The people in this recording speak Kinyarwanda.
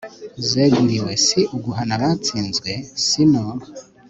zeguriwe, si uguhana abatsinzwe, si no